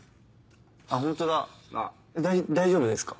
あっホントだ大丈夫ですか？